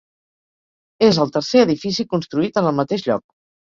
És el tercer edifici construït en el mateix lloc.